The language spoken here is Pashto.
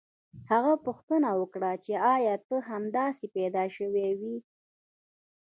هغه پوښتنه وکړه چې ایا ته همداسې پیدا شوی وې